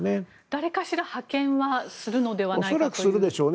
誰かしら派遣はするのではという。